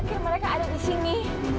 aku yakin mereka ada di sini